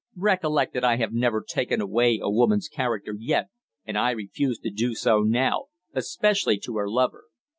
Recollect that I have never taken away a woman's character yet, and I refuse to do so now especially to her lover.